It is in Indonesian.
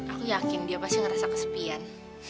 aku yakin dia pasti ngerasa kesepian